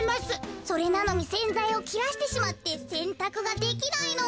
それなのにせんざいをきらしてしまってせんたくができないの。